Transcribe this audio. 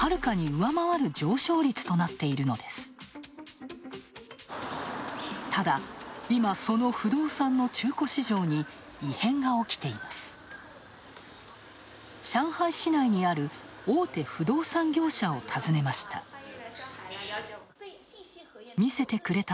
上海市内にある大手不動産業者を訪ねました。